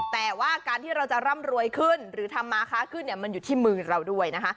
แต่ว่าการที่เราจะร่ำรวยขึ้นหรือทำมาค้าขึ้นเนี่ยมันอยู่ที่มือเราด้วยนะคะ